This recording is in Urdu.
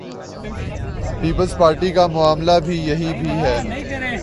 پیپلزپارٹی کا معاملہ بھی یہی بھی ہے۔